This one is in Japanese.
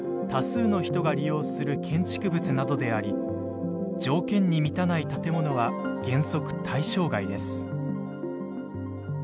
多数の人が利用する建築物などであり条件に満たない建物は原則対象外です。